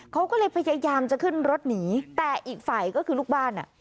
เขาก็เลยพยายามจะขึ้นรถหนีแต่อีกฝ่ายก็คือลูกบ้านอ่ะ